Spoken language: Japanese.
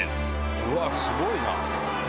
うわっ、すごいな。